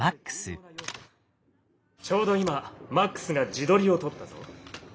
ちょうど今マックスが自撮りを撮ったぞ。